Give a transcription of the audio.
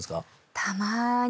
たまーに